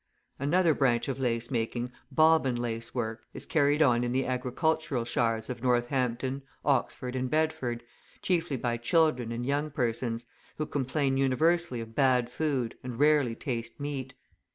Another branch of lace making, bobbin lacework, is carried on in the agricultural shires of Northampton, Oxford, and Bedford, chiefly by children and young persons, who complain universally of bad food, and rarely taste meat.